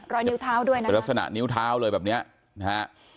รอยนิ้วเท้าด้วยนะคะเป็นลักษณะนิ้วเท้าเลยแบบเนี้ยนะฮะ